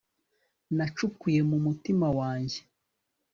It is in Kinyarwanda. nacukuye mu mutima wanjye